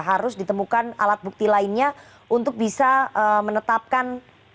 harus ditemukan alat bukti lainnya untuk bisa menetapkan